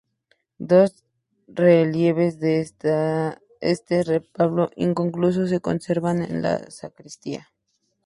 Dos relieves de este retablo inconcluso se conservan en la sacristía.